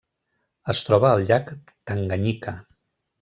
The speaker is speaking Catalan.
Es troba al llac Tanganyika.